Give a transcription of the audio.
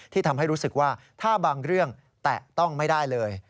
ทำให้รู้สึกว่าถ้าบางเรื่องแตะต้องไม่ได้เลย